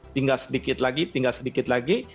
tinggal sedikit lagi tinggal sedikit lagi